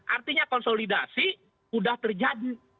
artinya konsolidasi udah terjadi